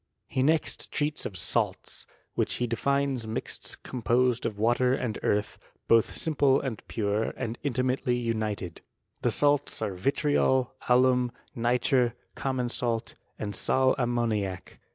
He next treats of salts, which he defines mixts composed of water and earth; both simple and pure, and intimately united. The salts are vitriol, alum, nitre, common salt, and sal ammoniac.